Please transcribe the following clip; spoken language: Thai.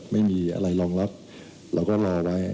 ไม่มีอะไรรองรับเราก็รอไว้